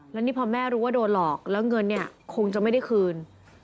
แล้วนี่พอแม่รู้ว่าโดนหลอกแล้วเงินเนี่ยคงจะไม่ได้คืน